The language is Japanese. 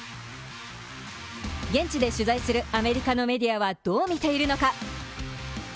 現地で取材するアメリカのメディアはどう見ているのか。